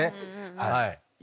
はい。